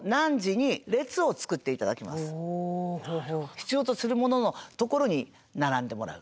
必要とするもののところに並んでもらう。